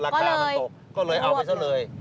ราคามันตกก็เลยเอาไปซะเลย